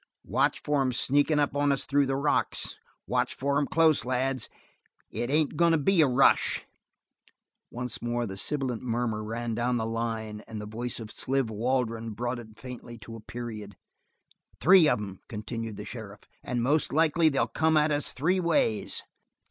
"Watch for 'em sneakin' up on us through the rocks. Watch for 'em close, lads. It ain't goin' to be a rush." Once more the sibilant murmur ran down the line, and the voice of Sliver Waldron brought it faintly to a period. "Three of 'em," continued the sheriff, "and most likely they'll come at us three ways."